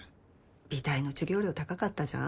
美大の授業料高かったじゃん。